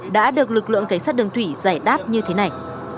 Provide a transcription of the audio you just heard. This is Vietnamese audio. đã được lực lượng cảnh sát đường thủy giải đáp như thế này